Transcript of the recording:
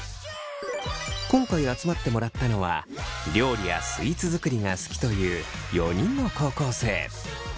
今回集まってもらったのは料理やスイーツ作りが好きという４人の高校生。